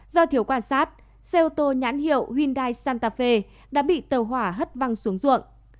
do thiếu quan sát xe ô tô nhãn hiệu hyundai santafe đã bị tàu hỏa hất văng xuống ruộng